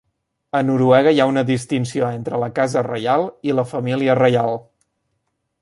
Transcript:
A Noruega hi ha una distinció entre la Casa Reial i la Família Reial.